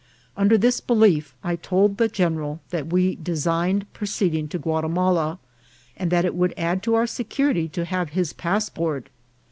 Under this belief, I told the general that we designed proceeding to Gua A B R E A K F A S T. 79 timala, and that it would add to our security to have his passport.